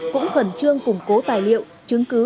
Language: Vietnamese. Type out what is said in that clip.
cũng khẩn trương củng cố tài liệu chứng cứ